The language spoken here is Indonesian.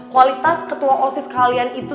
kualitas ketua osis kalian itu